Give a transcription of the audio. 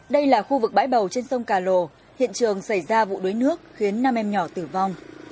đây là khu vực bãi bầu trên sông cà lồ hiện trường xảy ra vụ đuối nước khiến năm em nhỏ tử vong